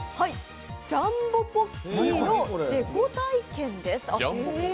ジャンボポッキーのデコ体験です。